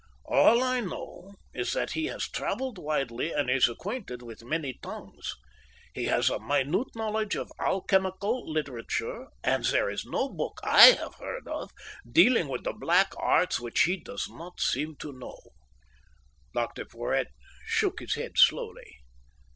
All I know is that he has travelled widely and is acquainted with many tongues. He has a minute knowledge of alchemical literature, and there is no book I have heard of, dealing with the black arts, which he does not seem to know." Dr Porhoët shook his head slowly.